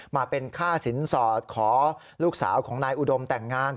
มาเป็นค่าสินสอดขอลูกสาวของนายอุดมแต่งงาน